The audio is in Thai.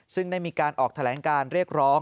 ซึ่งได้มีการออกแถลงการเรียกร้อง